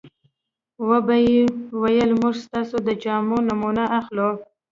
وبه یې ویل موږ ستاسو د جامو نمونه اخلو.